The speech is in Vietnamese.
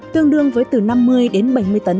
tương đương với từ năm mươi bảy mươi tấn